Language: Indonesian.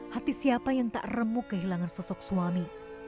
hati siapa yang tak remuk kehilangan sosok suami